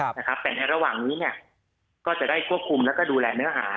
แต่ในระหว่างนี้เนี่ยก็จะได้ควบคุมแล้วก็ดูแลเนื้อหา